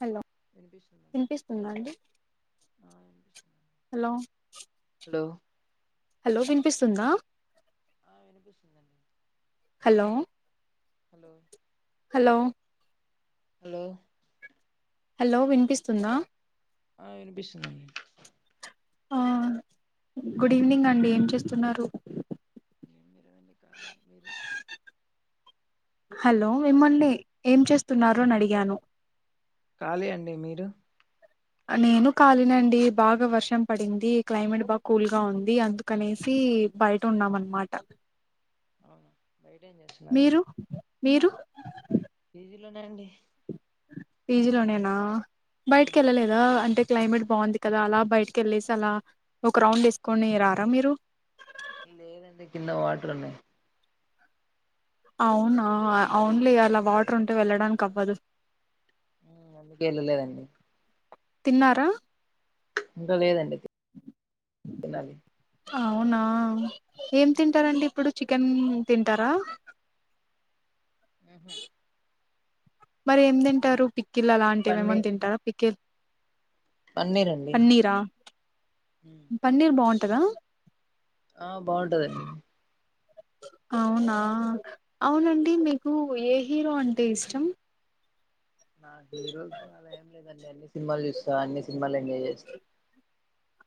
Hello వినిపిస్తుందండి విన్పిస్తుందా అండి ఆ వినిపిస్తుందండి హలో హలో విన్పిస్తుందా ఆ వినిపిస్తుందండి hello hello hello hello hello విన్పిస్తుందా ఆ ఇనిపిస్తుందన్ ఆ గుడ్ ఈవినింగ్ అండి ఏం చేస్తున్నారు [unintelligible] [inaudible] హలో మిమ్మల్ని ఏం చేస్తున్నారు అని అడిగాను కాలీ అండి మీరు నేను కాలినె అండి బాగా వర్షం పడింది క్లైమేట్ బాగా కూల్గా ఉంది అందుకనేసి బయట ఉన్నాం అనమాట అవునా బయట ఏం మీరు చేస్తున్నారండి మీరు ఇంట్లోనే అండి పిజీలోనేనా బయటికి వెళ్ళలేదా అంటే క్లైమేట్ బాగుంది కదా అలా బయటకి వెలేసి అలా ఒక రౌండ్ వేసుకొని రారా మీరు ఇ లేదండి కింద వాటర్ ఉన్నాయి అవునా అవున్ లే అలా వాటర్ ఉంటే వెళ్ళడానికి అవ్వదు మ్మ అందుకె వెళ్ళలేదండి తిన్నారా ఇంకా లేదండి తిన్నాలి అవునా ఏం తింటారండి ఇప్పుడు చికెన్ తింటారా మ్మ ఉ మరి ఎమ్ తింటారు పి కిల్ అలాంటివి పన్నీ ఏమన్నా తింటార పికిల్ పన్నీర్ అండి పన్నీరా పన్నీర్ బావుంట్ టదా ఆ బాగుంటదండి అవునా అవునండి మీకు ఏ హీరో అంటే ఇష్టం నా హీరోల్ అలా ఎం లేదు అండి అ సినిమాలు చూస్తా అన్ని సినిమాలు ఎంజాయ్ చేస్తా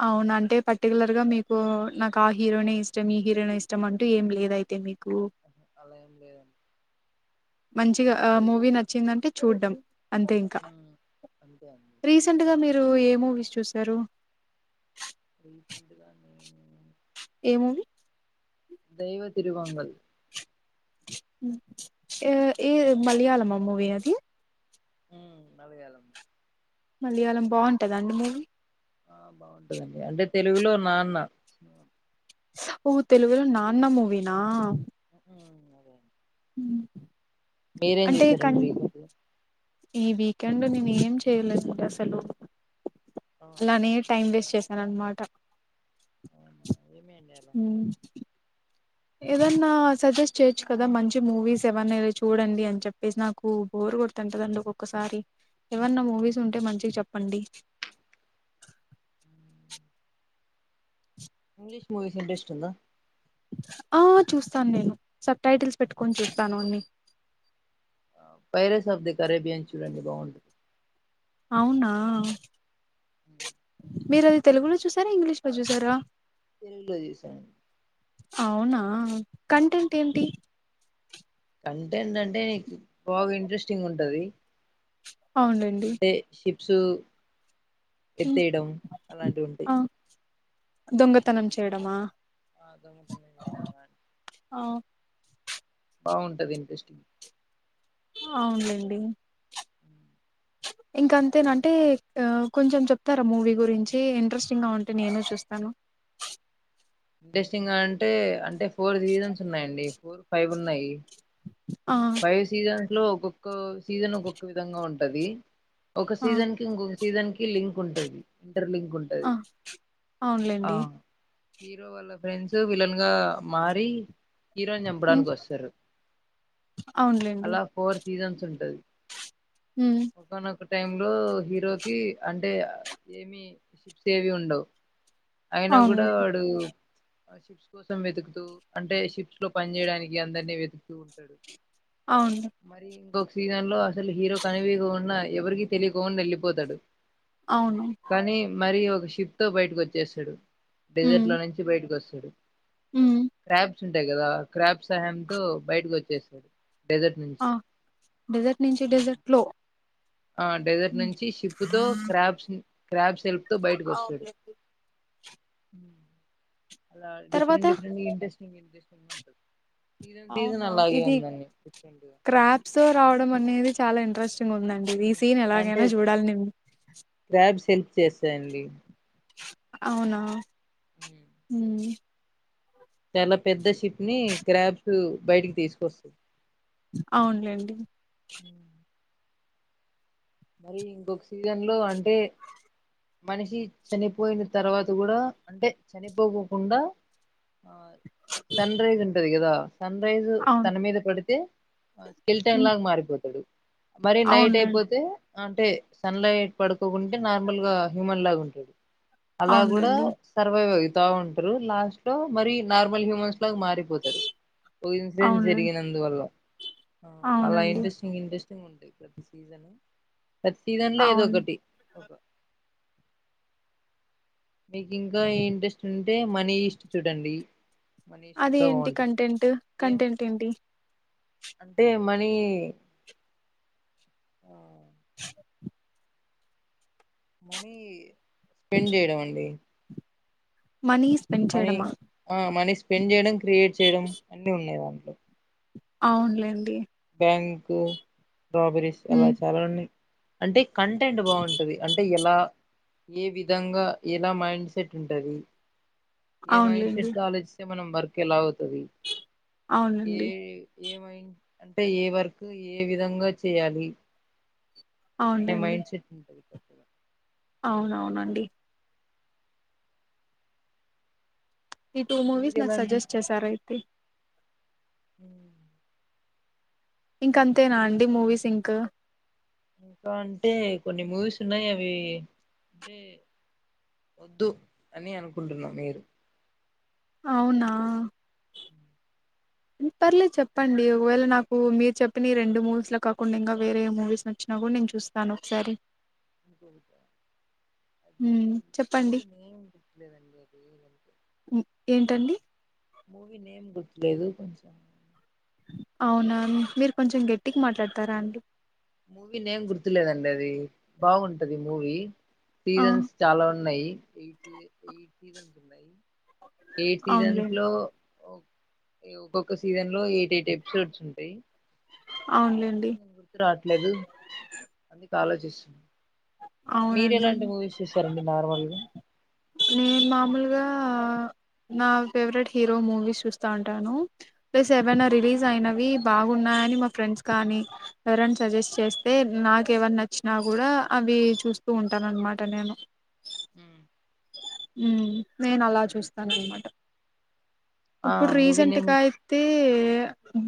అవును అంటే పర్టికులర్ గా మీకు నాకు ఆ హీరోనే ఇష్టం ఈ హీరోనే ఇష్టం అంటూ ఏం లేద అయితే మీకు అలా ఏం లేదండి మంచిగా ఆ మూవీ నచ్చిందంటే చూడ్డం అంతే ఇంకా అంతే అండి రీసెంట్ గా మీ రు ఏ మూవీస్ చూసారు పండగా నే ఏ మూవీ దైవత్ తిరువంగల్ ఏ మలయళమా మూవీ అది హు మలయాళం మలయాళం బాగుంటదండి మూవీ ఆ బాగుంటదండి అంటే తెలుగులో నాన్న ఊ తెలుగులో నాన్న మూవినా అదే హ మీేరేం చేశారండి రీసెంట్లీ ఈ వీకెండ్ నేను ఏం చెయలేదు అండి అసలు అవునా అలానే టైమ్ వేస్ట్ చేశానన్నమాట అవునా ఏమీ అండి అలా ఏదన్నా సజెస్ట్ చేయొచ్చు కదా మంచి మూవీస్ ఏవన్నా చూడండి అని చెప్పేసి నాకు బోర్ కొడుతుంటదండి ఒక్కొక్కసారి ఏవన్నా మూవీస్ ఉంటే మంచిగా చెప్పండి ఇంగ్లీష్ మూవీస్ ఇంట్రెస్ట్ ఉందా ఆ చూస్తాను నేను సబ్ టైటిల్స్ పెట్టుకొని చూస్తాను అన్నిీ వైరస్ ఆఫ్ ది కరేబియన్ చూడండి బాగుంటది అవునా హ మీరు అది తెలుగులో చూసారా ఇంగ్లీష్ లో చూసారా తెలుగు లో చూసాను అవునా కంటెంట్ ఏంటి కంటేంటంటే నీకు బాగా ఇంట్రెస్టింగ్ ఉంటది అవునండి సూ దొంగతనం చేయడమా ఆ దొంగతనం చేయడం అలాంటివి బాగుంటది ఇంట్రెస్టింగ్ అవును లేండి [unintelligible] ఇంక అంతేనంటే కొంచెం చెప్తారా మూవీ గురించి ఇంట్రెస్టింగ్గా ఉంటే నేను చూస్తాను టెస్టింగ్ అంటే అంటే ఫోర్ సీజన్స్ ఉన్నాయండి ఫోర్ ఫైవ్ ఉన్నాయి ఆ! పై సిజన్ లో సీజన్ ఒకొక్క విధంగా ఉంటుంది అది ఒక ఆ! సీజన్ కి ఇంకొక సీజన్ కి లింక్ ఉంటది ఇంటర్ లింక్ ఉంటది ఆ ఆ అవునులేండి హీరో వాళ్ళ ఫ్రెండ్స్ విలన్ గా మారి హీరోన్ హ్మ్. చంపడానికి వస్తారు అవునులేండి తీయాల్సి ఉంటది. హ్మ్. ఒక్కనోకట్ టైం లో హీరోకి అంటే ఏమి షిప్స్ ఏవి ఉండవు. అయినా కూడా అవునులేండి. వాడు. షిప్స్ కోసం వెతుకుతూ అంటే షిప్స్ లో పని చేయడానికి అందరినీ వెతుకుతూ ఉంటాడు. అవును. మరి ఇంకోక్ త్రీ నైన్ లో అస్ హీరో కాని ఇవిగో ఉన్నాయి. ఎవరికి తెలియకోని వెళ్ళిపోతాడు. అవును. కానీ మరియో ఒక షిప్ తో బయటకు వచ్చేస్తాడు. హ్మ్. డెజర్ట్ లో నుంచి బయటకు వస్తాంది హ్మ్. సరే ర్యాబ్ ఉంటాయి కదా క్రాప్ సహాయంతో బయటకు వచ్చేసాడు. ఆ డిజర్ట్ నుంచి డెజర్ట్ లో ఆహ్ డెజర్ట్ నుంచి షిప్పుతో క్రాబ్స్ ను క్రాబ్స్ తెల్పుతో బయటకు వస్తాడు. అవునులేండి. ఉమ్ అలా తర్వాత? డిఫరెంట్ డిఫరెంట్ ఇంటెస్ ఏం చేస్తూ ఉంటారు. అవునా ఇది డిఫరెంట్ గా క్రాప్స్ రావడం అనేది చాలా ఇంట్రెస్ట్. ఉందండి ఈ ఉమ్, సీన్ అంటే ఎలాగైనా చూడాలి నేను చూషేసేయండి. అవునా ఉమ్. ఉమ్ చాలా పెద్ద షిప్ ని క్రాబ్స్ బయటికి తీసుకొస్తాది. అవునులేండి. మరి ఇంకొక సీజన్ లో అంటే మనిషి చనిపోయిన తర్వాత కూడా అంటే చనిపోవకుండా. ఆహ్ సన్ రైస్ ఉంటది కదా. సన్ రైసు అవును. తన మీద పడితే స్కెల్ టన్ హ్మ్. లాగ మారిపోతడు మరి నైట్ అవునులేండి. అయిపోతే అంటే సన్ లైట్ పడుకోకుంటే నార్మల్ గా హ్యూమన్ లాగా ఉంటాడు అలా కూడా అవునులేండి. సర్వైవ్ అయి తా ఉంట్రు లాస్ట్ లో మరి నార్మల్ హ్యూమన్స్ లాగా మారిపోతారు ఒక ఇన్సిడెంట్ అవునులేండి. జరిగినందువల్ల అలా అవునండి. ఇంట్రెస్టింగ్ ఇంట్రెస్టింగ్ ఉ ప్రతి సీసన్ ప్రతి దాంట్లో ఏదో అవును. ఒకటి ఒక మీకు ఇంకా ఇంట్రెస్ట్ ఉంటే మనీ ఇస్ట్ చూడండి మనీ ఈస్ట్ అది కూడా ఏంటి బాగుంటది కంటెంట్ ఏం కంటెంట్ ఏంటి అంటే మనీ ఆ మనీ స్పెండ్ చేయడం అండి మనీ స్పెండ్ చేయడమా పెంచజేడం క్రియేట్ చేయడం అన్ని ఉన్నావన్ని అవునులేండి థాంకూ స్ట్రాబెర్రీస్ అలా హ్మ్. చాలా ఉన్నయ్ అంటే కంటెంట్ బాగుంటది అంటే ఎలా ఏ విధంగా ఎలా మైండ్ సెట్ ఉంటుంది ఏ మైండ్ సెట్ అవునులేండి. తో ఆలోచిస్తే మనం మర్కెలా తది ఏ అవునండి. ఏమై అంటే ఏ వర్కు ఏ విధంగా చేయాలి అవునులేండి. మైండ్ సెట్ ఉంటది కొత్తగా అవునవునండి ఈ టూ మూవీస్ మీరు నాకు ఎలాంటి సజెస్ట్ చేసారైత్ తి హ ఇంక అంతేనా అండి మూవీస్ ఇంకా ఇంకా అంటే కొన్ని మూవీస్ ఉన్నాయి అవి అంటే వద్దు అని అనుకుంటున్న మీరు అవునా పర్లేదు చెప్పండి ఒకవేళ నాకు మీరు చెప్పిన రెండు మూవీస్ లో కాకుండా ఇంకా వేరే మూవీస్ నచ్చిన కూడ నేను చూస్తాను ఒకసారి ఇక అది హ్మ్. చెప్పండి. నుది నేయం కట్లే తండి అది టండి మూవీ నేమ్ గుర్తులేదు కొంచెం అవునా మీరు కొంచెం గెట్టిగ మాట్లాడతారా అండి మూవీ నేం గుర్తులేదండి అది బాగుంటది మూవీ ఆ సీజన్స్ చాలా ఉన్నాయి ఎయిటీ ఎయిటీ ఉన్నాయి ఎయిట్ సీజెన్ అవునులేండి లో ఓ ఒకొక్క సీజన్ లో ఎయిట్ ఎయిట్ ఎపిసోడ్స్ ఉంటాయి అవునులేండి లేదు అందుకు ఆలోచిస్తున్న మీరు అవునండి ఎలాంటి మూవీస్ చూసరండి నార్మల్గా నేను మామూలుగా నా ఫేవరెట్ హీరో మూవీ చూస్తా ఉంటాను ప్లే సెవె రిలీజ్ అయిన అవి బాగున్నాయని మా ఫ్రెండ్స్ కానీ ఎవరనా సజెస్ట్ చేస్తే నాకు ఎవరి నచ్చినా కూడా అవి చూస్తూ ఉంటాను అన్నమాట నేను హమ్ నేను అలా చూస్తాను అన్నమాట ఆ ఇప్పుడు మూవీ రీసెంట్ నేమ్ గ అయితే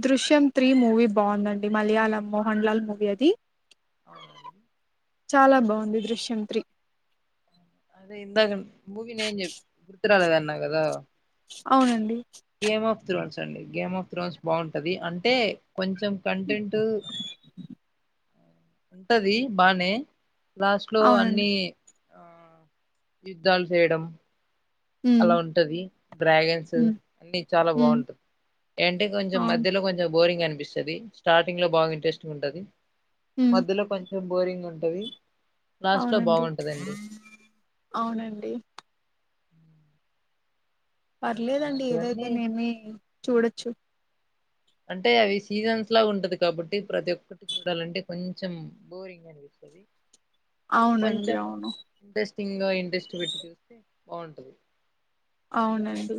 దృశ్యం త్రీ మూవీ బాగుందండి మలయాళం మోహన్ లాల్ మూవీ అది అవునండి చాలా బాగుంది దృశ్యం త్రీ అదే ఇందాక మూవి నేం చె గుర్తు రాలేదు అన్న కద అది అవునండి game of the [inaudible] game of thrones బాగుంటది అంటే కొంచెం హ్మ్. కంటెంట్ ఉంటది బానే లాస్ట్ లో అవునండి. అన్ని ఆ యుద్ధాలు చేయడం అలా హ్మ్. ఉంటది డ్రాగన్స్ హ్మ్. అన్ని చాలా హ్మ్. బాగుంటది అంటే కొంచెం అవును. మధ్యలో కొంచెం బోరింగ్ అనిపిస్తది స్టార్టింగ్ లో బాగా ఇంట్రెస్టింగ్ ఉంటది హ్మ్. మధ్యలో కొంచం కొంచెం బోరింగ్ ఉంటది లాస్ట్ లో అవునండి. బాగుంటదండి అవునండి పర్లేదండి ఏదైతే అలాంటివన్నీ నేనే చూడొచ్చు అంటే అవి సీజన్స్ లా ఉంటది కాబట్టి ప్రతి ఒక్కటి చూడాలంటే కొంచెం బోరింగ్ అనిపిస్తుంది అవునండి. కొంచెం అవును. ఇంట్రెస్టింగ్ గా ఇంట్రెస్ట్ పెట్టి చూస్తే బాగుంటుది అవునండి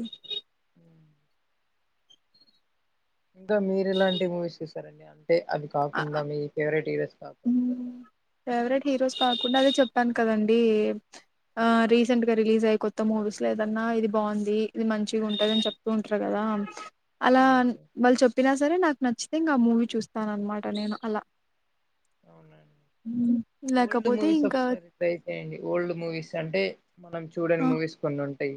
ఇంకా మీరు ఇలాంటి మూవీస్ చసారండి అ అే అవి అ అ కాకుండా మీ ఫేవరెట్ హరోస్ కా స హ్మ్. ఫేవరెట్ హీరోస్ కాకుండా అదే చెప్పాను కదండి రీసెంట్గా రిలీజ్ అయ్యి కొత్త మూవీస్ లో ఏదన్నా ఇది బాగుంది ఇది మంచిగా ఉంటుందనీ అని చెప్తూ ఉంటారు కదా ఆ అలా అండి మళ్ళీ చెప్పినా సరే నాకు నచ్చితేంగా ఆ మూవీ చూస్తాన అన్నమాట నేను అలా అవునా హ్మ్. ఓల్డ్ లేకపోతే మూవీస్ ఇంకా ఒకసారి ట్రై చేయండి ఓల్డ్ మూవీస్ అంటే మనం చూడడి ఆ! మూవీస్ కొన్ని ఉంటాయి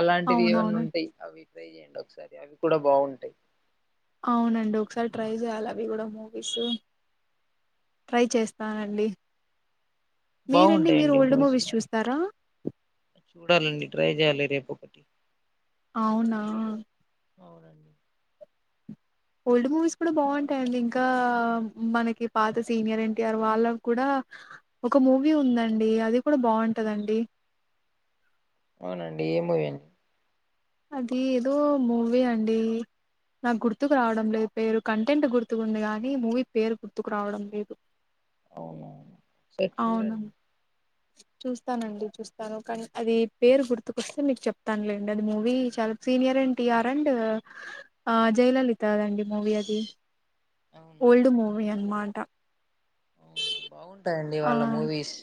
అలాంటివి ఏవన్నా అవునవును. ఉంటాయి అవి చేయండి ఒకసారి చేడి ఒకసారి అవి కూడా బాగుంటాయి అవునండి ఒకసారి ట్రై చేయాలి అవి కూడా మూవీస్ ట్రై చేస్తానండి మీరండి మీరు ఓల్డ్ మూవీస్ చూస్తారా చూడాలండి ట్రై చేయాలి రేపు ఒకటి అవునా అవునండి ఓల్డ్ మూవీస్ కూడా బాగుంటాయండి ఇంకా మనకి పాత సీనియర్ ఎన్టీఆర్ వాళ్ళకు కూడా ఒక మూవీ ఉందండి అది కూడా బాగుంటుందండి అవునండి ఏ మూవీ అది ఏదో మూవీ అండి నాకు గుర్తుకు రావడం లేదు పేరు కంటెంట్ గుర్తుకు ఉంది కానీ మూవీ పేరు గుర్తుకు రావడం లేదు అవునవును సరి అవును చూడండి చూస్తానండి చూస్తాను కానీ అది పేరు గుర్తుకొస్తే మీకు చెప్తానులేండి అది మూవీ చాలా సీనియర్ అండ్ టీఆర్ అండ్ ఆ జయలలితదండి మూవీ అది అవును ఓల్డ్ మూవిీ అన్మాట ట అవునా బాగుంటాయండి వాళ్ళ మూవీస్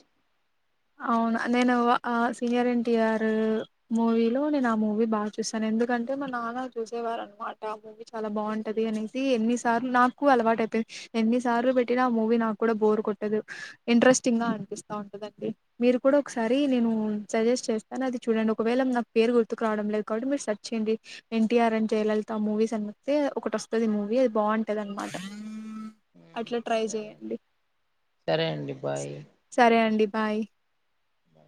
అవునా నేను ఆ సీనియర్ ఎన్టీఆర్ మూవీలో నేను ఆ మూవీ బాగా చూస్తాను ఎందుకంటే మా నాన్న చూసేవారు అనమాట మూవీ చాలా బాగుంటది అనేసి ఎన్ని సార్లు నాకు అలవాటు అయిపోయింది ఎన్నిసార్లు పెట్టిన ఆ మూవీ నాకు కూడా బోర్ కొట్టదు ఇంట్రెస్టింగ్గా అనిపిస్త ఉంటుందండి మీరు కూడా ఒకసారి నేను అవునా సజెస్ట్ చేస్తాను ను కానీ అది చూడండి ఒకవేళ నా పేరు గుర్తుకు రావడం లేదు కాబట్టి మీరు సచ్ిడి ఎన్టీఆర్ అండ్ జయలలిత మూవీస్ అనిస్తే ఒకటి వస్తుంది మూవీ అది బాగుంటది అనమాట ఉమ్, అట్లా ట్రై సరే అండి చెయండి సరే అండి బాయ్ సరే అండి బాయ్ బ